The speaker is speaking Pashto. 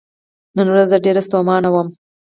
نن ورځ زه ډیر ستومان وم .